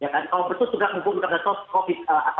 kalau betul juga menghormati covid